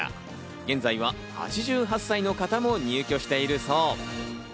現在は８８歳の方も入居しているそう。